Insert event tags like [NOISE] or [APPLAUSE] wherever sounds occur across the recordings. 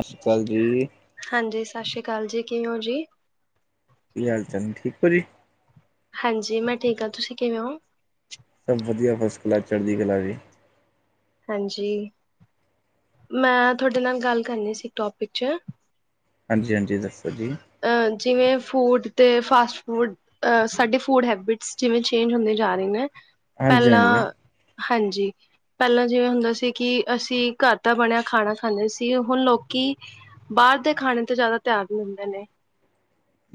ਸਤਿ ਸ਼੍ਰੀ ਅਕਾਲ ਜੀ ਹਾਂਜੀ ਸਤਿ ਸ੍ਰੀ ਅਕਾਲ ਜੀ ਕਿ ਹੋ ਜੀ ਕੀ ਹਾਲ ਚਾਲ ਠੀਕ ਜੀ ਹਾਂਜੀ ਮੈਂ ਠੀਕ ਹਾਂ ਤੁਸੀਂ ਕਿਵੇਂ ਹੋ ਸਭ ਵਧੀਆ ਫਸਟ ਕਲਾ ਚੜ੍ਹਦੀ ਕਲਾ ਜੀ ਹਾਂਜੀ ਮੈਂ ਤੁਹਾਡੇ ਨਾਲ ਗੱਲ ਕਰਨੀ ਸੀ ਇੱਕ ਟੋਪਿਕ 'ਚ ਹਾਂਜੀ। ਹਾਂਜੀ ਦਫੱਸੋ ਜੀ ਅ ਜਿਵੇਂ ਫੂਡ ਤੇ ਫਾਸਟ ਫੂਡ ਅਹ ਸਾਡੇ ਫੂਡ ਹੈਬਿਟਸ ਜਿਵੇਂ ਚੇਂਜ ਹੁੰਦੇ ਜਾ ਰਹੇ ਨੇ ਹਾਂਜੀ ਪਹਿਲਾਂ ਹਾਂਜੀ ਹਾਂਜੀ ਪਹਿਲਾਂ ਜਿਵੇਂ ਹੁੰਦਾ ਸੀ ਕਿ ਅਸੀਂ ਘਰ ਦਾ ਬਣਿਆ ਖਾਣਾ ਖਾਂਦੇ ਸੀ ਹੁਣ ਲੋਕੀ ਬਾਹਰ ਦੇ ਖਾਣੇ ਤੇ ਜ਼ਿਆਦਾ ਧਿਆਨ ਦਿੰਦੇ ਨੇ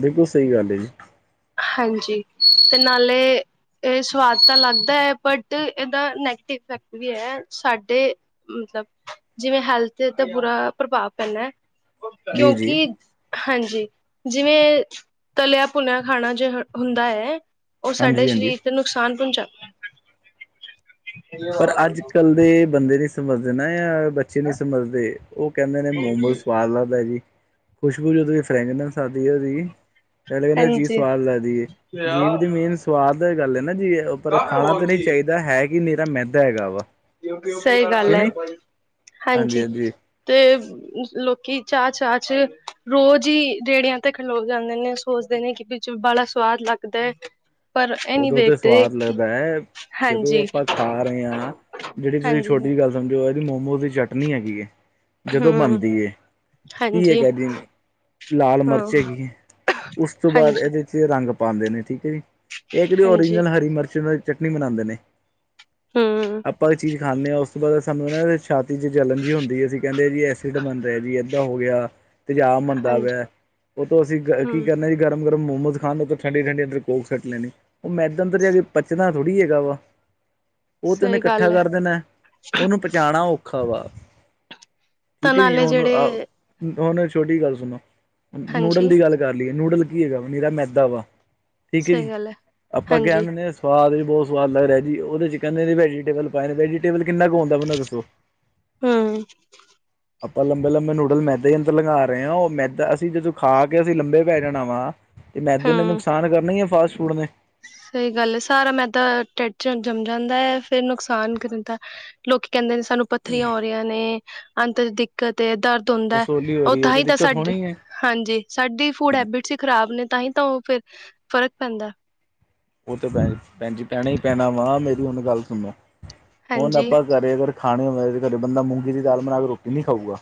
ਬਿਲਕੁਲ ਸਹੀ ਗੱਲ ਜੀ ਹਾਂਜੀ ਤੇ ਨਾਲੇ ਇਹ ਸਵਾਦ ਤਾਂ ਲੱਗਦਾ ਹੈ ਬਟ ਇਹਦਾ ਨੈਗੇਟਿਵ ਇਫੈਕਟ ਵੀ ਹੈ ਸਾਡੇ ਮਤਲਬ ਜਿਵੇਂ ਹੈਲਥ ਦਾ ਬੁਰਾ ਪ੍ਰਭਾਵ ਪੈਂਦਾ ਹੈ। ਜੀ ਜੀ ਕਿਉਂਕਿ ਹਾਂਜੀ ਜਿਵੇਂ ਤਲਿਆ ਪੁੁਨਿਆ ਖਾਣਾ ਜੇ ਹੁੰਦਾ ਹੈ। ਉਹ ਸਾਡੇ ਹਾਂਜੀ ਹਾਂਜੀ ਸਰੀਰ ਤੇ ਨੁਕਸਾਨ ਪਹੁੰਚਾ ਪਰ ਅੱਜ ਕੱਲ ਦੇ ਬੰਦੇ ਨੀ ਸਮਝਦੇ ਨਾ ਯ ਬ ਪਛੇ ਨਹੀਂ ਸਮਝਦੇ ਉਹ ਕਹਿੰਦੇ ਨੇ ਮੋਮਲ ਹਾਂਜੀ ਸਵਾਦ ਲੱਗਦਾ ਜੀ ਖੁਸ਼ਬੂ ਜਦੋਂ ਫਰੈਗਨੈਂਸ ਆਦੀ ਹੈ ਉਹਦੀ ਕਲੇ ਕਹਿੰਦੇ ਚੀਜ਼ ਸਵਾਦ ਲੱਗਦੀ ਏ ਜੀ ਵੀ ਦੀ ਮੇਨ ਸਵਾਦ ਗੱਲ ਹੈ ਨਾ ਜੀ ਪਰ ਖਾਣਾ ਤਾਂ ਨਹੀਂ ਚਾਹੀਦਾ ਹੈ। ਕੀ ਹਨੇਰਾ ਮਹਿੰਦਾ ਹੈਗਾ ਵਾ ਸਹੀ ਕਿ ਗੱਲ ਹੈ। ਨਹੀਂ ਹਾਂਜੀ ਤੇ ਲੋਕੀ ਚਾਹ-ਚਾਹ ਚ ਰੋਜ਼ ਹੀ ਰੇੜਿਆਂ ਤੇ ਖਲੋ ਜਾਂਦੇ ਨੇ ਸੋਚਦੇ ਨੇ ਕਿ ਬ ਬੜਾ ਸਵਾਦ ਲੱਗਦਾ ਹੈਏ ਉਦੋਂ ਤਾਂ ਸਵਾਦ ਲੱਗਦਾ ਹੈ ਜਦੋਂ ਹਾਂਜੀ ਆਪਾਂ ਖਾ ਰਹੇ ਹਾਂ ਜਿਹੜੀ ਤੁਸੀਂ ਹਾਂਜੀ ਛੋਟੀ ਗੱਲ ਸਮਝੋ ਇਹਦੀ ਮੋਮੋ ਦੀ ਚਟਨੀ ਹੈਗੀ ਜਦੋਂ ਹਮ ਬਣਦੀ ਹੀ ਹਾਂਜੀ ਹੈਗਾਦੀ ਲਾਲ ਹਮ ਮਿਰਚ ਹੈਗੀ ਹੈ ਉਸ ਤੋਂ ਬਾਅਦ ਹਾਂਜੀ ਇਹਦੇ ਰੰਗ ਪਾਉਂਦੇ ਨੇ ਠੀਕ ਹੈ। ਜੀ ਇਹ ਕਿਹੜੀ ਹਾਂਜੀ ਓਰੀਜਨਲ ਹਰੀ ਮਿਰਚ ਦੀ ਚਟਨੀ ਬਣਾਉਂਦੇ ਨੇ ਹਮ ਆਪਾਂ ਇੱਕ ਚੀਜ਼ ਖਾਂਦੇ ਹਾਂ ਉਸ ਤੋਂ ਬਾਅਦ ਸਾਨੂੰ ਛਾਤੀ ਚ ਜਲਣ ਜਿਹੀ ਹੁੰਦੀ ਹੈ। ਅਸੀਂ ਕਹਿੰਦੇ ਜੀ ਐਸਿਡ ਬਨ ਰਹਾ ਜੀ ਇਏਦਾਂ ਹੋ ਗਿਆ। ਤੇਜਾਬ ਬੰਦਾ ਹਾਂਜੀ ਪਹਿਆ ਉਹ ਤੋਂ ਅਸੀਂ ਕੀ ਹਮ ਕਰਨਾ ਜ ਗਰਮ ਗਰਮਮੋਮੋਸ ਖਾਣ ਉਤੋ ਠੰਡੇ, ਠੰਡੇ ਅਦਰੋ ਕੋਕ ਸੱਟ ਲੈਣੇ ਉਹ ਮੈਂੱਦਾਂ ਅੰਦਰ ਜਾ ਕੇ ਪਚਣਾ ਥੋੜੀ ਹੈਗਾ ਵਾ ਉਹ ਤੈਨੂੰ ਸਹੀ ਇਕੱਠਾ ਗੱਲ ਹੈ ਕਰ ਦੇਣਾ ਉਹਨੂੰ ਪੁੰਚਾਉਣਾ ਔਖਾ ਵਾ ਤਾਂ ਠੀਕ ਹੈ ਜੀ ਨਾਲੇ ਹੁਣ, ਜਿਹੜੇ ਹੁਣ ਛੋਟੀ ਜ ਗੱਲ ਸੁਣੋ ਨੂਡਲ ਹਾਂਜੀ ਦੀ ਗੱਲ ਕਰ ਲਈਏ ਨੂਡਲ ਕੀ ਹੈਗਾ ਵਾ ਨੀਰਾ ਮੈਦਾ ਵਾ ਠੀਕ ਸਹੀ ਜੀ। ਗੱਲ ਹੈ। ਆਪਾਂ ਹਾਂਜੀ ਕਹਿ ਸਵਾਦ ਵੀ ਬਹੁਤ ਸਵਾਦ ਲੱਗ ਰਿਹਾ ਜੀ ਉਹਦੇ ਚ ਕਹਨਦੇ ਵੈਜੀਟੇਬਲ ਪਾਏ ਨੇ ਵੈਜੀਟੇਬਲ ਕਿਨਾ ਆਉਦਾ ਮੈਨੂੰ ਦੱਸੋ? [UNINTELLIGIBLE] ਹ [UNINTELLIGIBLE] ਅਪਾਂ ਲੰਬੇ-ਲੰਬੇ ਨੂਡਲ, ਮੈਦੇ ਅੰਦਰ ਲਗਾ ਰਏ ਆ, ਉਹ ਮੈਦਾ, ਅਸੀਂ ਜਦੋਂ ਖਾ ਕੇ ਅਸੀਂ ਲੰਬੇ ਪੈ ਜਾਣਾ ਵਾ ਤੇ ਮੈਦੇ ਨੇ ਹਮ ਨੁਕਸਾਨ ਕਰਨਾ ਈ ਏ ਫਾਸਟ ਫੂਡ ਨੇ। ਸਈ ਗੱਲ ਏ, ਸਾਰਾ ਮੈਂਦਾ ਡਿਢ ਚ ਜੰਮ ਜਾਂਦਾ ਐ, ਫੇਰ ਨੁਕਸਾਨ ਕਰਦਾ। ਲੋਕ ਕਹਿੰਦੇ ਨੇ ਸਾਨੂੰ ਪੱਥਰੀਆਂ ਹੋ ਰਹੀਆਂ ਨੇ, ਅੰਤ ਦੀ ਦਿੱਕਤ ਏ, ਦਰਦ ਤ ਹੁੰਦਾ, ਰਸੋਲੀ ਹੋ ਉਹ ਰਹੀ ਹੈ ਤਾਂ ਤੇ ਹੀ ਦਿੱਕਤ ਸਾਡੀ, ਹੋਣੀ ਹੈ। ਹਾਂਜੀ, ਸਾਡੀ ਫੂਡ ਹੈਬਿਟ ਸ ਈ ਖ਼ਰਾਬ ਨੇ, ਤਾਂ ਹੀ ਤਾਂ ਉਹ ਫੇਰ ਫ਼ਰਕ ਪੈਂਦਾ ਏ। ਔਹ ਤੇ ਭੈ, ਭੈਣਜੀ ਪੈਣਾ ਈ ਪੈਣਾ ਵਾਂ, ਮੇਰੀ ਹੁਣ ਗੱਲ ਸੁਣੋ, ਹੁਣ ਹਾਂਜੀ ਆਪਾਂ ਘਰੇ ਅਗਰ ਖਾਣੇ ਹੁੰਦਾ, ਤੇ ਘਰੇ ਬੰਦਾ ਮੂੰਗੀ ਦੀ ਦਾਲ ਬਣਾ ਕੇ ਰੋਟੀ ਨਈ ਖਾਊਗਾ?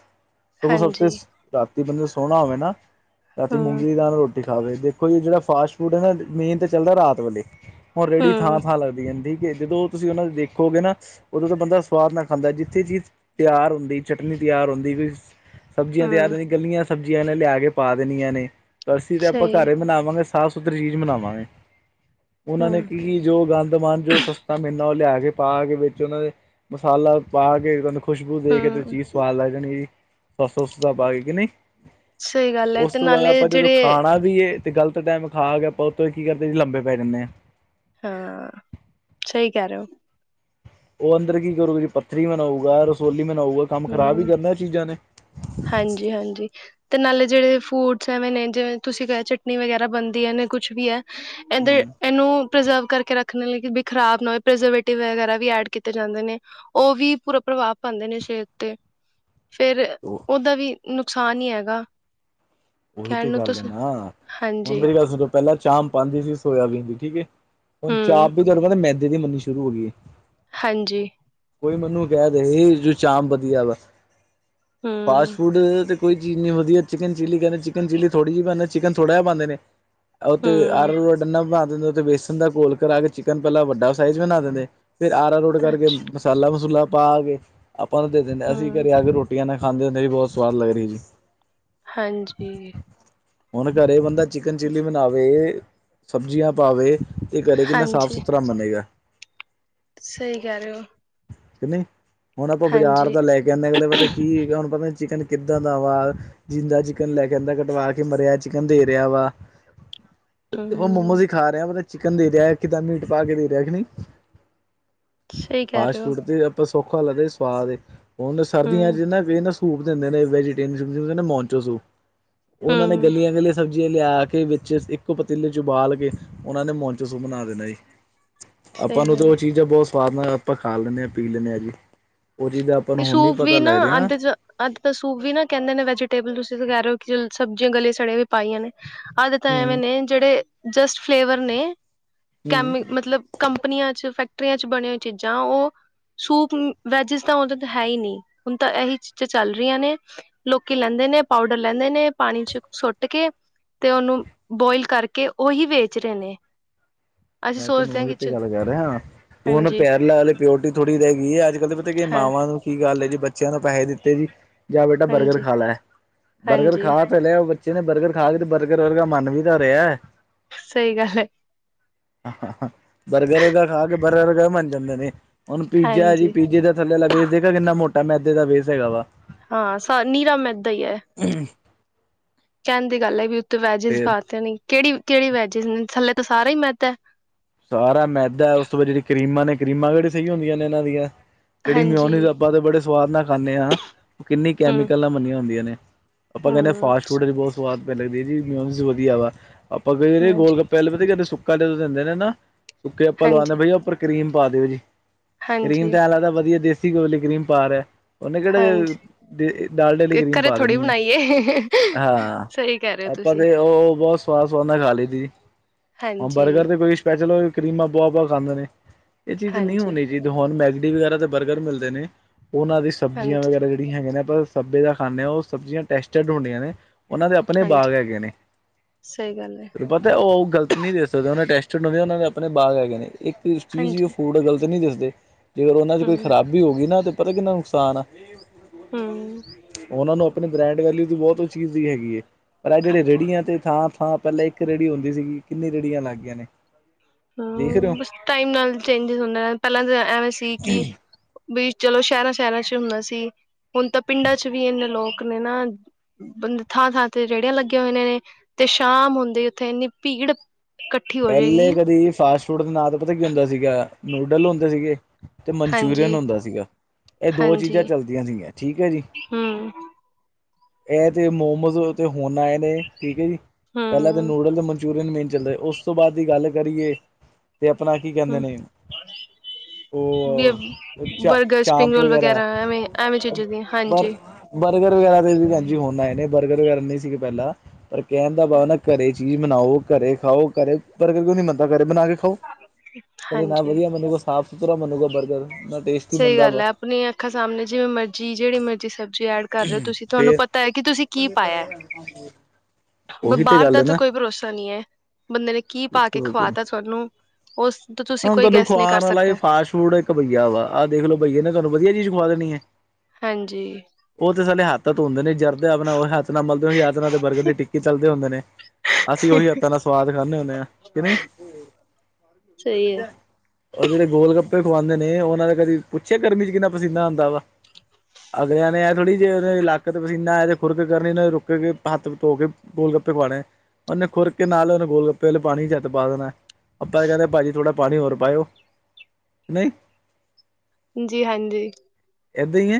ਸਗੋਂ ਸਫਤੇ ਹਾਂਜੀ ਰਾਤੀ ਬੰਦੇ ਨੂੰ ਸੋਅਣਾ ਹੋਵੇ ਨਾ, ਰਾਤੀ ਹਮ ਮੂੰਗੀ ਦੀ ਦਾਲ ਨਾਲ ਰੋ ਟੀ ਖਾਵੇ, ਦੇਖੋ ਜੀ ਜੇਅੜਾ ਫਾਸਟ ਫੂਡ ਹੈ ਨਾ, ਮੇਨ ਤੇ ਚੱਲਦਾ ਰਾਤ ਵੇਲੇ। ਹੁਣ ਰੇਅੜੀ ਹਮ ਥਾਂ-ਥਾਂ ਲੱਗਦੀ ਹੁੰਦੀ, ਕੇ ਜਦੋਂ ਤੁਸੀਂ ਉਹਨਾਂ ਦੇਖੋਗੇ ਨਾ ਉਦੋਂ ਤੇ ਬੰਦਾ ਸਵਾਦ ਨਾਲ ਖਾਂਦਾ ਏ, ਜਿੱਥੇ ਚੀਜ਼ ਤਿਆਰ ਹੁੰਦੀ, ਚਟਨੀ ਤਿਆਰ ਹੁੰਦੀ। ਸਬਜ਼ੀਆਂ ਤੇਆਰ ਹਮ ਹੁ, ਗੱਲੀਆਂ ਸਬਜ਼ੀਆਂ ਇਹਨੇ ਲਿਆ ਕੇ ਪਾ ਦੇਣੀਆਂ ਨੇ, ਅਸੀਂ ਤੇ ਆਪਾਂ ਸਹੀ ਹੈ ਘਰ ਬਨਾਵਾਂਗੇ ਸਾਫ਼ ਸੁਥਰੀ ਚੀਜ਼ ਬਨਾਵਾਂਗੇ, ਉਹਨਾਂ ਨੇ ਹਮ ਕੀ ਜੋ ਗੰਦ ਮਨ ਜੋ ਸਸਤਾ ਮਿਲਨਾ, ਔਹ ਲਿਆ ਕੇ, ਪਾ ਕੇ ਵਿੱਚ ਉਅਨਾਂ ਦੇ, ਮਸਾਲਾ ਪਾ ਕੇ ਤੁਆਨੂੰ ਖੁਸ਼ਬੂ ਦੇ ਕੇ ਤੇ ਹਮ ਚੀਜ਼ ਸਵਾਦ ਲੱਗ ਜਾਣੀ ਜੀ, ਸ ਸੌਸਾ ਪਾ ਕੇ ਕਿ ਨਈ? ਸਹੀ ਗੱਲ ਹੈ ਉਸ ਤੇ ਤੋਂ ਬਾਅਦ, ਨਾਲੇ ਆਪਾਂ ਜਦੋਂ ਜਿਹੜੇ ਖਾਣਾ ਵੀ ਏ ਤੇ ਗਲਤ ਟਾਈਮ ਖਾ ਕੇ, ਆਪਾਂ ਉਤੋ ਕੀ ਕਰਦੇ ਈ ਲੰਬੇ ਪੈ ਜਾਣੇ ਆ। ਹਾਂ, ਸਈ ਕੇਹ ਰਏ ਔ। ਉਹ ਅੰਦਰ ਕੀ ਕਰੂਗਾ ਜੀ? ਪੱਥਰੀ ਬਨਾਊਗਾ, ਰਸੋਲੀ ਬਨਾਊਗਾ, ਕੰਮ ਖ਼ਰਾਬ ਈ ਕਰਨਾ ਉਹ ਚੀਜ਼ਾਂ ਨੇ। ਹਾਂਜੀ-ਹਾਂਜੀ। ਤੇ ਨਾਲੇ ਜੇਅੜੇ ਫੂਡਸ ਏਵੇਂ ਨੇ, ਜਿਵੇਂ ਤੁਸੀਂ ਕੇਰੇ ਚਟਨੀ ਵਗੈਰਾ ਬਣਦੀ ਐ, ਨੇ ਕੁਛ ਵੀ ਐ ਏਨਦੇ ਹੂੰ ਏਹਨੂੰ ਪ੍ਰਜਰਵ ਕਰਕੇ ਰੱਖਣੇ ਲਈ ਬੀ ਖਰਾਬ ਨਾ ਹੋਏ, ਪ੍ਰਵੇਜੇਟੀ ਵਗੈਰਾ ਵੀ ਐਡ ਕੀਤੇ ਜਾਂਦੇ ਨੇ। ਔਹ ਵੀ ਪੂਰਾ ਪ੍ਰਭਾਵ ਪਾਂਦੇ ਨੇ ਸੇਅਤ ਤੇ ਫੇਰ ਔਦਾ ਵੀ ਨੁਕਸਾਨ ਈ ਹੈਗਾ। ਉਹੀ ਕਹਿਣ ਤੇ ਨੂੰ ਗੱਲ ਏ ਤੁਸੀ ਨਾ, ਹੁਣ ਹਾਂਜੀ ਮੇਰੀ ਗੱਲ ਸੁਨੋ, ਪਹਿਲਾਂ ਚਾਂਪ ਪਾਂਦੀ ਸੀ ਸੋਇਆਬੀਨ ਦੀ, ਠੀਕ ਏ? ਹੁਣ ਚਾਪ ਹਮ ਵੀ ਤੁਆਨੂੰ ਪਤਾ ਏ? ਮੈਦੇ ਦੀ ਬਨਨੀ ਸ਼ੁਰੂ ਹੋ ਗਈ ਹੈ। ਹਾਂਜੀ। ਕੋਈ ਵੀ ਮੈਨੂੰ ਕੇਹ ਦੇਹੇ, ਜੋ ਚਾਪ ਵਦੀਆ ਵਾ ਹੂੰ। ਫਾਸਟ ਫੂਡ ਤੇ ਕੋਈ ਚੀਜ਼ ਨਈ ਵਦੀਆ, ਚਿਕਨ ਚਿਲੀ ਕਹਿੰਦੇ ਨੇ, ਚਿਕਨ ਚਿਲੀ ਥੋੜੀ ਜੀ ਪੇ, ਚਿਕਨ ਥੋੜਾ ਏ ਪਾਂਦੇ ਨੇ। ਉਹ ਤੇ ਹਮ ਅਰਾਰੋਟ ਇਨ੍ਹਾਂ ਬਣਾ ਦਿੰਦੇ ਨੇ, ਉਤੇ ਵੇਸਨ ਦਾ ਕੋੋਲ ਕਰਾ ਕੇ, ਚਿਕਨ ਪਹਿਲਾਂ ਵੱਡਾ ਸਾਈਜ਼ ਬਣਾ ਦਿੰਦੇ ਫੇਰ ਆਰਾ ਰੋੜ ਕਰਕੇ, ਅੱਛਾ ਮਸਾਲਾ ਮਸੂਲਾ ਪਾ ਕੇ ਅਪਾਂ ਨੂੰ ਦੇ ਦਿੰਦੇ, ਅਸੀਂ ਹਮ ਘਰੇ ਆ ਕੇ ਰੋਟੀਆਂ ਏਦੇ ਨਾਲ ਖਾਂਦੇ ਹੁਦੇ, ਬੌਤ ਸਵਾਦ ਲੱਗ ਰਈ ਜੀ। ਹਾਂਜੀ। ਹੁਣ ਘਰੇ ਬੰਦਾ ਚਿਕਨ ਚਿੱਲੀ ਬਣਾਵੇ, ਸਬਜ਼ੀਆਂ ਪਾਵੇ ਤੇ ਘਰੇ ਕਿੰਨਾ ਸਾਫ ਹਾਂਜੀ ਸੁਥਰਾ ਬਣੇਗਾ? ਸਹੀ ਕਹਿ ਰਹੇ ਹੋ ਕਿ ਨੀ? ਹੁਣ ਆਪਾਂ ਬਾਜ਼ਾਰ ਹਾਂਜੀ ਦਾ ਲੈ ਕੇ ਆਣੇ ਆ, ਅਗਲੇ ਪਤਾ ਕੀ ਏ, ਹੁਣ ਪਤਾ ਚਿਕਨ ਕਿੱਦਾਂ ਦਾ ਵਾਂ? ਜਿੰਦਾ ਜੀ ਕਨ ਲੈ ਕੇ ਆਂਦਾ ਕਟਵਾ ਕੇ, ਮਰਿਆ ਚਿਕਨ ਦੇ ਰੇਆ ਵਾ, ਉਹ ਹਮ ਮੋਮੋਜ ਈ ਖਾ ਦੇ ਰੇਆ, ਔਹ ਤਾਂ ਚਿਕਨ ਦੇ ਰੇਆ, ਕਿਦਾ ਮੀਟ ਪਾ ਕੇ ਦੇ ਰੇਆ ਕਿ ਨੀ? ਸਹੀ ਕਹਿ ਰਹੇ ਹੋ ਫਾਸਟਫ਼ੂਡ ਤੇ ਆਪਾਂ ਸੌਖਾ ਲੱਗਦਾ ਸਵਾਦ ਏ, ਹੁਣ ਸਰਦੀਆਂ ਹਮ ਚ ਨਾ ਬੀਸਨਸ ਤੁੜ ਦੇਂਦੇ ਨੇ, ਵੇਜੀਟੇ [UNINTELLIGIBLE] ਮੋਨਚੋ ਸੂਪ, ਔਨ੍ਹਾਂ ਨੇ ਹਮ ਗਲੀਆਂ-ਗਲੀਆਂ ਸਬਜ਼ੀਆਂ ਲੇਆ ਕੇ ਵਿੱਚ, ਇੱਕੋ ਪਤੀਲੇ ਇੱਚ ਉਬਾਲ ਕੇ, ਔਨ੍ਹਾਂ ਨੇ ਮੋਨਚੋ ਸੂਪ ਬਣਾ ਦੇਨਾ ਜੀ। ਅਪਾਂ ਸਹੀ ਨੂੰ ਤੇ ਗੱਲ ਔ ਚੀਜ਼ਾਂ ਬੌਤ ਸਵਾਦ ਨਾਲ ਆਪਾਂ ਖਾ ਲੈਣੇ, ਪੀ ਲੈਣੇ ਆ ਜੀ। ਔਹ ਚੀਜ ਆਪਾਂ ਨੂੰ ਹੁਣ ਨਈ ਪਤਾ ਲਗ ਰੀ ਨਾ? ਅੱਜ ਤਾਂ ਸੂਪ ਵੀ ਨਾ ਕਹਿੰਦੇ ਨੇ ਵੈਜੀਟੇਬਲ, ਤੁਸੀਂ ਤੇ ਕੇਹ ਰਏ ਔ ਕਿ ਚਲ ਸਬਜੀਆਂ ਗਲੇ ਸੜੇ ਹੋਏ ਪਾਈਆਂ ਨੇ। ਆਦੇ ਤਾਂ ਐਵੇਂ ਹੂੰ ਨੇ, ਜੇਅੜੇ ਜਸਟ ਫਲੇਵਰ ਨੇ, ਹੂੰ ਕੈਮੀ ਮਤਲਬ ਕੰਪਨੀਆਂ ਚ, ਫੈਕਟਰੀਆਂ ਚ ਬਨੇ ਹੋਏ ਚੀਜਾਂ, ਔਹ ਸੂਪ ਵੈਜਿਸ ਤਾਂ ਉਦੇ ਤੇ ਹੈ ਹੀ ਨੀ ਹੁਣ ਤਾ ਇਹੀ ਚੀਜ਼ਾਂ ਚੱਲ ਰਹੀਆਂ ਨੇ। ਲੋਕੀ ਲੈਂਦੇ ਨੇ ਪਾਊਡਰ ਲੈਂਦੇ ਨੇ ਪਾਣੀ ਸੁੱਟ ਕੇ ਤੇ ਉਹਨੂੰ ਬੋਇਲ ਕਰਕੇ ਉਹੀ ਵੇਚ ਰਹੇ ਨੇ। ਅਸੀਂ ਮੈਂ ਤਾ ਸੋਚਦੇ ਨੋਵਾ ਹਾਂ ਉੱਤੇ ਕਿ ਗੱਲ ਕਹਿ ਰਿਹਾ ਹੁਣ ਹਾਂਜੀ ਪੈਰਲਾ ਆਲੇ ਪਿਓਰਟੀ ਥੋੜੀ ਰਹਿ ਗਈ ਅੱਜ ਕੱਲ ਤੇ ਫੇ ਤਾ ਕੀ ਹੈ ਮਾਵਾਂ ਨੂੰ ਕੀ ਗੱਲ ਏ ਬੱਚਿਆਂ ਨੂੰ ਪੈਹੈ ਦਿੱਤੇ ਜੀ ਜਾ ਬੇਟਾ ਬਰਗਰ ਹਾਂਜੀ ਖਾਲੈ ਬਰਗਰ ਹਾਂਜੀ ਖਾ ਖਾ ਤਾ ਲਿਆ ਬੱਚੇ ਨੇ ਬਰਗਰ ਖਾ ਕੇ ਤੇ ਬਰਗਰ ਵਰਗਾ ਮੰਨ ਵੀ ਤਾ ਰਾਹੀਆ। ਸਹੀ ਗੱਲ ਏ। ਬਰਗਰ ਵਰਗਾ ਖਾ ਕੇ ਬਰਗਰ ਬੰਨ ਜਾਂਦੇ ਨੇ ਹੁਣ ਪੀਜਾ ਜੀ ਹਾਂਜੀ ਪੀਜੇ ਤਾ ਥੱਲੇ ਵਾਲਾ ਬੇਸ ਦੇਖਿਆ ਕਿੰਨਾ ਮੋਟਾ ਮੈਦੇ ਦਾ ਵੇਸ ਹੈਗਾ ਵਾ। ਹਾਂ ਸਾ ਨੀਰਾ ਮੈਥ ਦਾ ਹੀ ਹ ਕਹਿਣ ਦੀ ਗੱਲ ਹੈ ਬਈ ਉ ਤੇ ਵੈਜਿਸ ਫੇਰ ਪਾ ਤੇ ਨੀ ਕਿਹੜੀ-ਕਿਹੜੀ ਵੈਜਿਸ ਹੈ ਥੱਲੇ ਤਾਂ ਸਾਰਾ ਹੀ ਮੈਦਾ। ਸਾਰਾ ਮੈਦਾ ਉਸ ਤੋਂ ਬਾਅਦ ਜਿਹੜੀ ਕਰੀਮਾਂ ਨੇ ਕਰੀਮਾਂ ਜਿਹੜੀ ਸਹੀ ਹੁੰਦੀਆਂ ਨੇ ਇਹਨਾਂ ਦੀਆਂ। ਜਿਹੜੀ ਹਾਂਜੀ ਮਿਊਨੀਜ ਆਪਾ ਤੇ ਬੜੇ ਸਵਾਦ ਨਾਲ ਖਾਨੇ ਆ ਕਿੰਨੀ ਹਮ ਕੈਮੀਕਲ ਨਾ ਮੰਨੀਆਂ ਹੁੰਦੀਆਂ ਨੇ। ਆਪਾ ਕੈਨੇ ਹਮ ਫਾਸ਼ ਫੂਡ ਚ ਬਹੁਤ ਸਵਾਦ ਪਈ ਲੱਗਦੀ ਜੀ ਮਿਊਨਸ ਵਧੀਆ ਵਾ ਆਪਾਂ ਕਈ ਵਾਰੀ ਗੋਲ ਹਾਂਜੀ ਗੱਪ ਪਹਿਲੇ ਪਤਾ ਕੀ ਕਰਦੇ ਸੁੱਕਾ ਜਦੋਂ ਦਿੰਦੇ ਨੇ ਨਾ ਸੁੱਕੇ ਆਪਾ ਲਵਾਉਨੇ ਹਾਂਜੀ ਬਈਆ ਉਪਰ ਕਰੀਮ ਪਾ ਦੋ ਜੀ, ਕਰੀਮ ਹਾਂਜੀ ਤੇ ਐ ਲੱਗਦਾ ਵਧੀਆ ਦੇਸੀ ਦੇਸੀ ਘਿਓ ਵਾਲੀ ਕ੍ਰੀਮ ਪਾ ਰਿਹਾ ਉਨੇ ਕਿਹੜਾ ਹਾਂਜੀ ਡਾਲਡੇ ਆਲੀ ਕਰੀਮ ਘਰੇ ਪਾ ਥੋੜ੍ਹੀ ਦੇਨੀ ਏ ਬਣਾਈਏ ਹਾ। ਸਹੀ ਕਹਿ ਰਹੇ ਹੋ ਆਪਾਂ ਤੁਸੀਂ ਨੇ ਉਹ ਬਹੁਤ ਸਵਾਸ ਉਨਾ ਖਾਲੀ ਲੀ ਦੀ ਹਾਂਜੀ ਬਰਗਰ ਤੇ ਚਲੋ ਕਰੀਮਾਂ ਪੋਆ ਪਵਾ ਕੇ ਖਾਂਦੇ ਨੇ ਇਹ ਚੀਜ਼ ਨਹੀਂ ਹਾਂਜੀ ਹੋਣੀ ਹੁਣ ਮੈਗਡੀ ਵਗੈਰਾ ਤੇ ਬਰਗਰ ਮਿਲਦੇ ਨੇ ਉਨਾਂ ਦੀ ਸਬਜ਼ੀਆਂ ਹਾਂਜੀ ਵਗੈਰਾ ਹੈਗੇ ਨੇ ਪਰ ਸਭੇ ਦਾ ਜਿਹੜਾ ਖਾਨੇ ਆ ਉਹ ਸਬਜ਼ੀਆਂ ਟੈਸਟਡ ਹੁੰਦੀਆਂ ਨੇ। ਉਹਨਾਂ ਦੇ ਆਪਣੇ ਹਾਂਜੀ ਬਾਗ ਹੈਗੇ ਨੇ ਸਹੀ ਗੱਲ ਹੈ ਪਤਾ ਉਹ ਗਲਤ ਨਹੀਂ ਦੇ ਸਕਦਾ ਉਹਨੇ ਟੈਸਟ ਉਹਨਾ ਨੇ ਆਪਣੇ ਬਾਗ ਹੈਗੇ ਨੇ ਇੱਕ ਚੀਜ਼ ਵੀ ਉਹ ਹਾਂਜੀ ਫੂਡ ਗਲਤ ਨੀ ਦਿਸਦੇ ਤੇ ਫਿਰ ਉਹਨਾ ਚ ਕੋਈ ਹਮ ਖਰਾਬ ਖਰਾਬੀ ਹੋ ਗਈ ਨਾ ਪਤਾ ਕਿੰਨਾ ਨੁਕਸਾਨ ਹੈ ਹਮ ਉਨਾਂ ਨੂੰ ਬ੍ਰਾਂਡ ਵੈਲਯੂ ਦੀ ਬਹੁਤ ਉਹ ਚੀਜ਼ ਦੀ ਹੈਗੀ ਏ ਪਰ ਇਹ ਜਿਹੜੇ ਰੇੜੀਆਂ ਤੇ ਥਾ-ਥਾ ਪਹਿਲੇ ਇੱਕ ਰੈਡੀ ਹੁੰਦੀ ਸੀਗੀ ਕਿੰਨੀ ਰੇੜੀਆਂ ਲੱਗ ਗਈਆ ਨੇ। ਦੇਖ ਰਹੇ ਹੋ। ਹਾਂ ਬਸ ਟਾਈਮ ਨਾਲ ਚੇਂਜਸ ਹੁੰਦਾ ਪਹਿਲਾ ਐਵੇਂ ਸੀ ਕਿ ਵੀ ਚਲੋ ਸ਼ਹਿਰਾ-ਸ਼ਹਿਰਾ ਚ ਹੁੰਦਾ ਸੀ ਹੁਣ ਤਾਂ ਪਿੰਡਾਂ ਚ ਵੀ ਇਨੇ ਲੋਕ ਨੇ ਨਾ ਥਾਂ-ਥਾਂ ਤੇ ਰੇੜੀਆਂ ਲੱਗੇ ਹੋਏ ਨੇ ਤੇ ਸ਼ਾਮ ਹੁੰਦੇ ਉਥੇ ਇਨੀ ਭੀੜ ਇਕੱਠੀ ਹੋ ਪਹਿਲੇ ਜਾਏਗੀ ਕਦੀ ਫਾਸਟ ਫੂਡ ਦੇ ਨਾ ਤਾ ਪਤਾ ਕੀ ਹੁੰਦਾ ਸੀਗਾ ਨੂਡਲ ਹੁੰਦੇ ਸੀਗੇ ਤੇ ਮਨਚੂਰੀਅਨ ਹੁੰਦਾ ਸੀਗਾ। ਇਹ ਦੋ ਚੀਜ਼ਾਂ ਹਾਂਜੀ-ਹਾਂਜੀ ਚਲਦੀਆਂ ਸੀਗੀਆਂ ਠੀਕ ਹ ਜੀ। ਹੂੰ-ਹੂੰ। ਇਹ ਤੇ ਮੋਮਸ ਹੁਣ ਆਏ ਨੇ ਠੀਕ ਹ ਜੀ ਪਹਿਲਾਂ ਤਾਂ ਹੂੰ ਨੋਡਲ ਤੇ ਮਨਚੂਰੀਅਨ ਮੇਨ ਚੱਲ ਰਿਹਾ ਉਸ ਤੋਂ ਬਾਅਦ ਦੀ ਗੱਲ ਕਰੀਏ ਤੇ ਆਪਣਾ ਕੀ ਕਹਿੰਦੇ ਨੇ ਉਹ ਵੀ ਚ ਬਰਗਰ ਸਪਿੰਗ ਚਾਂਪ ਰੋਲ ਵਗੈਰਾ ਐਵੇਂ--ਐਵੇਂ ਚੀਜ਼ਾਂ ਦੀ ਬਰ ਹਾਂਜੀ। ਬਰਗਰ ਵਗੈਰਾ ਦੇ ਵੀ ਭੈਣਜੀ ਹੁਣ ਆਏ ਨੇ ਬਰਗਰ ਵਗੈਰਾ ਨੀ ਸੀਗੇ ਪਹਿਲਾ। ਪਰ ਕਹਿਣ ਦਾ ਵਾ ਨਾ ਘਰੇ ਚੀਜ਼ ਬਨਾਓ, ਘਰੇ ਖਾਓ ਘਰੇ ਬਰਗਰ ਕਿਉਂ ਨੀ ਮੰਨਦਾ ਕਰੇ ਬਣਾ ਕੇ ਖਾਓ, ਕਦੇ ਨਾ ਹਾਂਜੀ-ਹਾਂਜੀ। ਵਧੀਆ ਮੰਨੂਗਾ ਸਾਫ਼ ਸੁਥਰਾ ਮੰਨੂਗਾ ਬਰਗਰ ਨਾ ਟੇਸਟੀ ਸਹੀ ਮੰਨਦਾ ਗੱਲ ਵਾ ਹੈ ਆਪਣੀ ਅੱਖਾਂ ਸਾਹਮਣੇ ਜਿਵੇਂ ਮਰਜ਼ੀ ਜਿਹੜੀ ਮਰਜ਼ੀ ਸਬਜ਼ੀ ਐਡ ਕਰ ਰਹੇ ਹੋ ਤੁਸੀ ਤੁਹਾਨੂੰ ਪਤਾ ਹੈ ਕਿ ਤੁਸੀ ਕੀ ਪਾਇਆ। ਹਾਂਜੀ ਬਾਰ ਦਾ ਤਾਂ ਕੋਈ ਭਰੋਸਾ ਨੀ ਹੈ ਬੰਦੇ ਨੇ ਕੀ ਪਾ ਕੇ ਬਿਲਕੁਲ ਖਵਾ ਬਿਲਕੁਲ ਤਾ ਤੁਹਾਨੂੰ। ਉਸ ਤੋਂ ਤੁਸੀਂ ਕੋਈ ਗੈਸਟ ਨਹੀਂ ਕਰ ਸਕਦੇ। ਤੁ ਇੱਕ ਬਈਆ ਵਾ ਆਹ ਦੇਖ ਲੋੋ ਬਈਏ ਨੇ ਤੁਹਾਨੂੰ ਵਧੀਆ ਚੀਜ਼ ਖਵਾ ਦੇਣੀ ਏ। ਹਾਂਜੀ ਉਹ ਤਾ ਸਾਲੇ ਹੱਥ ਤਾ ਧੋਂਦੇ ਨੇ ਜਰਦੇ ਆਪਣਾ ਉਹ ਹੱਥ ਨਾਲ ਮਲਦੇ ਹੋ ਉਹੀ ਹੱਥ ਦੇ ਬਰਗਰ ਦੀ ਟਿੱਕੀ ਤਲਦੇ ਹੁੰਦੇ ਨੇ ਅਸੀਂ ਉਹੀ ਹੱਥਾਂ ਨਾਲ ਦਾ ਸਵਾਦ ਖਾਨੇ ਹੁੰਦੇ ਹਾ ਕਿ ਨਈ। [INAUDIBLE] ਉਹ ਜਿਹੜੇ ਗੋਲ ਗੱਪੇ ਖੁਵਾਦੇ ਨੇ, ਉਹਨਾਂ ਦਾ ਕਦੀ ਪੁੱਛਿਆ ਗਰਮੀ ਚ ਕਿੰਨਾ ਪਸੀਨਾ ਆਦਾ ਵਾ ਅਗਲਿਆਂ ਨੇ ਇਹ ਥੋੜੀ ਜੀ ਉਹ ਲਾਕ ਪਸੀਨਾ ਆ ਤੇ ਖੁਰਕ ਕਰਨੀ ਉਹਨਾਂ ਨੇ ਰੁਕ ਕੇ ਹੱਥ ਧੋ ਕੇ ਗੋਲ ਗੱਪੇ ਖਵਾਣੇ ਉਹਨੇ ਖੁਰ ਕੇ ਨਾਲ ਉਹਨੇ ਗੋਲ ਗੱਪੇ ਵਾਲੇ ਪਾਣੀ ਚੱਤ ਪਾ ਦੇਣਾ, ਆਪਾਂ ਕਹਿੰਦੇ ਭਾਜੀ। ਥੋੜ੍ਹਾ ਪਾਣੀ ਹੋਰ ਪਾਇਓ ਨਹੀਂ, ਹਾਂਜੀ ਹਾਂਜੀ, ਇਦਾਂ ਈ ਏ,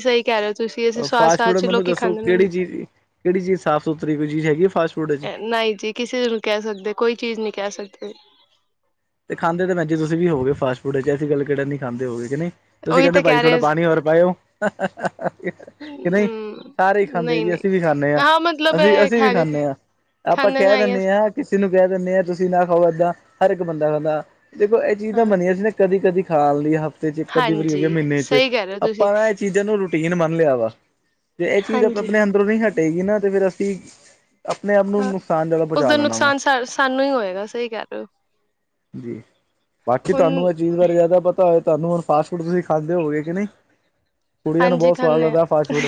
ਸਹੀ ਕਹਿ ਰਹੇ ਹੋ ਤੁਸੀਂ ਅਸੀਂ ਸਵਾਦ ਫਾਸਟ ਸਵਾਦ ਫੂਡ ਚ ਮੈਨੂੰ ਲੋਕੀ ਦੱਸੋ, ਖਾਂਦੇ ਕਿਹੜੀ ਰਹਿੰਦੇ ਚੀਜ਼ ਕਿਹੜੀ ਚੀਜ਼ ਸਾਫ਼ ਸੁਥਰੀ ਕੋਈ ਚੀਜ਼ ਹੈਗੀ ਹੈ, ਫਾਸਟ ਫੂਡ ਚ, ਨਹੀਂ ਜੀ ਕਿਸੇ ਨੂੰ ਕਹਿ ਸਕਦੇ, ਕੋਈ ਚੀਜ਼ ਨਹੀਂ ਕਹਿ ਸਕਦੇ। ਤੇ ਖਾਂਦੇ ਤੇ ਭੈਣਜੀ ਤੁਸੀ ਵੀ ਹੋ ਗਏ, ਫਾਟ-ਫੂਡ ਚ ਅਸੀ ਗੱਲ ਕਿਹੜ ਨੀ ਖਾਂਦੇ ਗਏ ਕਿ ਨਹੀਂ। ਤੁਸੀਂ ਉਹੀ ਕਹਿੰਦੇ ਤਾਂ ਭਾਜੀ ਕਹਿ ਥੋੜਾ, ਰਹੇ ਪਾਣੀ ਹੋਰ ਪਾਇਓ ਕਿ ਨਹੀਂ ਹਮ ਸਾਰੇ ਹੀ ਖਾਂਦੇ ਨਹੀਂ ਜੀ, ਨਹੀਂ ਅਸੀਂ ਵੀ ਖਾਂਦੇ ਹਾਂ ਮਤਲਬ ਅਸੀਂ ਇਹ ਅਸੀਂ ਵੀ ਹੈਗਾ ਕਿ ਖਾਂਦੇ ਹਾਂ ਆਪਾਂ ਖਾਂਦੇ ਤਾਂ ਕਹਿ ਆਈ ਦਿੰਦੇ ਹਾਂ। ਕਿਸੇ ਨੂੰ ਕਹਿ ਦਿੰਦੇ ਹਾਂ ਤੁਸੀਂ ਨਾ ਖਾਓ, ਏਦਾਂ ਹਰ ਇੱਕ ਬੰਦਾ ਖਾਂਦਾ ਦੇਖੋ ਇਹ ਚੀਜ਼ ਤਾਂ ਹਾਂ ਮੰਨੀਆਂ ਸੀ ਨਾ ਕਦੀ ਕਦੀ ਖਾ ਲ ਲਈਏ, ਹਫ਼ਤੇ ਚ ਕਦੀ ਵਾਰੀ ਹੋ ਗਿਆ, ਹਾਂਜੀ ਮਹੀਨੇ ਚ ਸਹੀ ਕਹਿ ਰਹੇ ਹੋ ਤੁਸੀਂ ਆਪਾਂ ਨਾ ਇਹ ਚੀਜ਼। ਚੀਜ਼ਾਂ ਨੂੰ ਰੂਟੀਨ ਮੰਨ ਲਿਆ, ਵਾ ਤੇ ਇਹ ਚੀਜ਼ਾਂ ਹਾਂਜੀ ਆਪਣੇ ਅੰਦਰੋਂ ਨਹੀਂ ਹਟੇਗੀ ਨਾ ਤੇ ਫਿਰ ਅਸੀਂ ਆਪਣੇ ਆਪ ਨੂੰ ਹਾਂ ਨੁਕਸਾਨ ਜ਼ਿਆਦਾ ਪਹੁੰਚਾ ਉਸਦਾ ਲੈਣਾ ਵਾ ਨੁਕਸਾਨ ਸਾ ਸਾਨੂੰ ਹੀ ਹੋਏਗਾ, ਸਹੀ ਕਹਿ ਰਹੇ ਹੋ। ਜੀ ਬਾਕੀ ਹੁਣ ਤੁਹਾਨੂੰ ਇਹ ਚੀਜ਼ ਬਾਰੇ ਜ਼ਿਆਦਾ ਪਤਾ ਹੋ ਤੁਹਾਨੂੰ ਫਾਸਟ ਫੂਡ ਤੁਸੀਂ ਖਾਂਦੇ ਹੋਗੇ ਕਿ ਨਹੀਂ, ਕੁੜੀਆਂ ਨੂੰ ਹਾਂਜੀ ਬਹੁਤ ਸਵਾਦ ਖਾਂਦੇ ਲੱਗਦਾ ਫਾਸਟ ਫੂਡ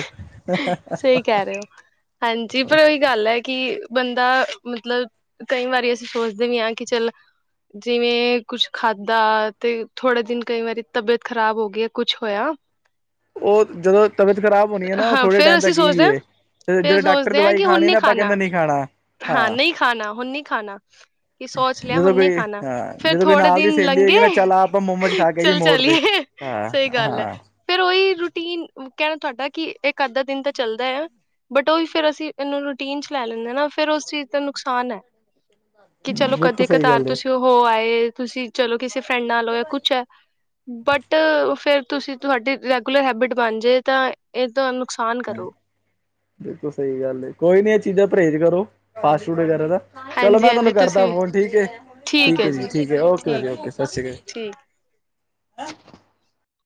ਸਹੀ ਕਹਿ ਰਹੇ ਹੋ ਹਾਂਜੀ ਪਰ ਉਹੀ ਗੱਲ ਹੈ, ਕਿ ਬੰਦਾ ਮਤਲਬ ਕਈ ਵਾਰੀ ਅਸੀਂ ਸੋਚਦੇ ਵੀ ਹਾਂ ਕਿ ਚੱਲ ਜਿਵੇਂ ਕੁਛ ਖਾਧਾ ਤੇ ਥੋੜ੍ਹਾ, ਦਿਨ ਕਈ ਵਾਰੀ ਤਬੀਅਤ ਖ਼ਰਾਬ ਹੋ ਗਈ ਕੁਛ ਹੋਇਆ। ਉਹ ਜਦੋਂ ਤਬੀਅਤ ਖਰਾਬ ਹੋਣੀ ਹੈ, ਨਾ ਉਹ ਹਾਂ ਥੋੜੇ ਫੇਰ ਟਾਈਮ ਅਸੀਂ ਤੱਕ ਹੀ ਵੀ ਸੋਚਦੇ ਹਾਂ ਏ, ਤੇ ਫੇਰ ਜਿਹਦੋਂ ਡਾਕਟਰ ਸੋਚਦੇ ਹਾਂ ਦਵਾਈ ਕਿ ਹੁਣ ਖਾਣੀ ਨੀ ਨਾ ਆਪਾਂ ਕਹਿੰਦਾ ਖਾਣਾ ਨਹੀਂ ਖਾਣਾ ਹਾਂ ਨਹੀਂ ਖਾਣਾ ਹੁਣ ਨਹੀਂ ਖਾਣਾ ਕੀ ਸੋਚ ਲਿਆ, ਹੁਣ ਜਦੋਂ ਨਹੀਂ ਕੋਈ ਖਾਣਾ ਹਾਂ ਫੇਰ ਜਦੋਂ ਕੋਈ ਥੋੜੇ ਨਾਲ ਦੀ ਦਿਨ ਸਹੇਲੀ ਲੰਗੇ ਹੈਗੀ ਨਾ ਚੱਲ ਆਪਾਂ ਮੋਮਜ਼ ਖਾ ਕੇ ਹੀ ਮੋੜ ਤੇ ਹਾਂ, ਸਹੀ ਗੱਲ ਹੈ ਹਾਂ। ਫੇਰ ਉਹੀ ਰੂਟੀਨ ਕਹਿਣਾ ਤੁਹਾਡਾ ਕਿ, ਇੱਕ ਅੱਧਾ ਦਿਨ ਤਾਂ ਚੱਲਦਾ ਆ ਬਟ ਉਹੀ ਫੇਰ ਅਸੀਂ ਇਹਨੂੰ ਰੂਟੀਨ ਚ ਲੈ ਲੈਂਦੇ, ਨਾ ਫੇਰ ਉਸ ਚੀਜ਼ ਦਾ ਨੁਕਸਾਨ ਹੈ। ਕਿ ਚਲੋ ਬਿਲਕੁਲ ਕਦੇ ਸਹੀ ਕਤਾਰ ਗੱਲ ਏ ਤੁਸੀਂ ਉਹ ਹੋ ਆਏ ਤੁਸੀਂ ਚਲੋ, ਕਿਸੇ ਫਰੈਂਡ ਨਾਲ ਹੋ ਕੁਛ ਹੈ। ਬਟ ਫੇਰ ਤੁਸੀਂ ਤੁਹਾਡੀ ਰੈਗੂਲਰ ਹੈਬਿਟ ਬਣਜੇ ਤਾਂ। ਇਹ ਤਾਂ ਨੁਕਸਾਨ ਕਰੂ ਬਿਲਕੁਲ ਸਹੀ ਗੱਲ ਹੈ, ਕੋਈ ਨੀ ਇਹ ਚੀਜ਼ਾਂ ਪਰਹੇਜ ਕਰੋ, ਫਾਸਟ ਫੂਡ ਵਗੈਰਾ ਦਾ ਚਲੋ ਹਾਂਜੀ ਮੈਂ ਤੁਹਾਨੂੰ ਹਾਂਜੀ ਤੁਸੀਂ ਕਰਦਾ, ਵੀ ਫੋਨ ਠੀਕ-ਠੀਕ ਹੈ ਜੀ ਠੀਕ ਹੈ, ਓਕੇ ਜੀ ਓਕੇ ਠੀਕ ਸਤਿ ਸ਼੍ਰੀ ਅਕਾਲ। ਠੀਕ